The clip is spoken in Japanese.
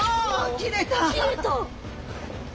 切れた！